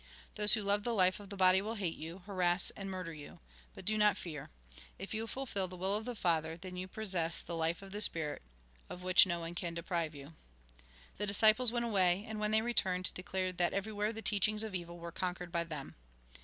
Those who love the life of the body will hate you, harass and murder you ; but do not fear. If you fulfil the will of the Father, then you possess the life of the Spirit, of which no one can deprive you." The disciples went away, and when they returned, declared that everywhere the teachiugs of evU were conquered by them.